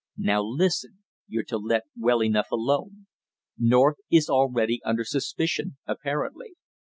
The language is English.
Now, listen, you're to let well enough alone. North is already under suspicion apparently.